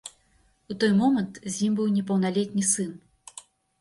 У той момант з ім быў непаўналетні сын.